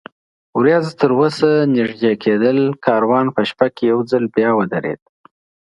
ورېځ تراوسه نږدې کېدل، کاروان په شپه کې یو ځل بیا ودرېد.